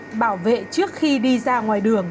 để bảo vệ trước khi đi ra ngoài đường